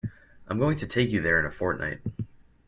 I'm going to take you there in a fortnight.